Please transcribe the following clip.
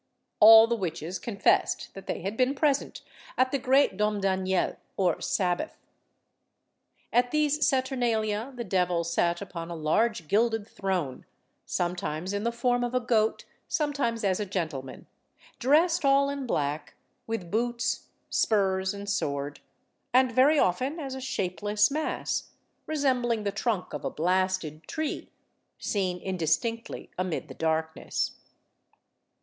All the witches confessed that they had been present at the great Domdaniel, or Sabbath. At these saturnalia the devil sat upon a large gilded throne, sometimes in the form of a goat; sometimes as a gentleman, dressed all in black, with boots, spurs, and sword; and very often as a shapeless mass, resembling the trunk of a blasted tree, seen indistinctly amid the darkness.